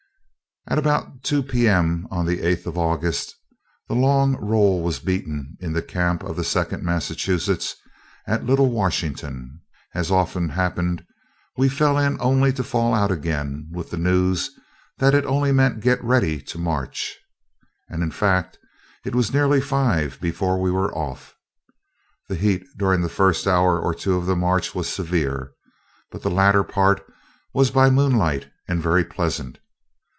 At about 2 P.M. on the 8th of August, the long roll was beaten in the camp of the Second Massachusetts, at Little Washington. As has often happened, we fell in only to fall out again with the news that it only meant get ready to march; and in fact it was nearly five before we were off. The heat during the first hour or two of the march was severe, but the latter part was by moonlight and very pleasant.